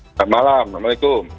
selamat malam waalaikumsalam